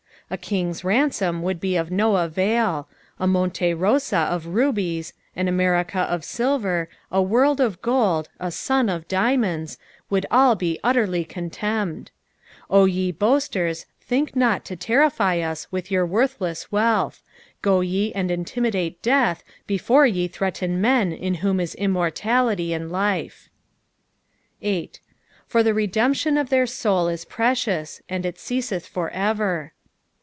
^' A king's ransom wonld be of no avail, a Honte Rosa uf rubies, an America of silver, a world of gold, a sun of diamoada, would all be utterly contemned, O je boasters, think not to terrify us with your worthless wealth, go ye and iutunidate death before ye threaten men in whom is immortality and life. 8. " For the redemption of their mmt ii preeicui, and it eeaeeth for etier."